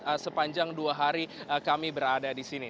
dan sepanjang dua hari kami berada di sini